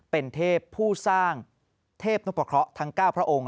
เป็นเทพผู้สร้างเทพนุปะเคราะห์ทั้ง๙พระองค์